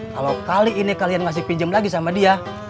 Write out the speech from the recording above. kalo kali ini kalian ngasih pinjem lagi sama dia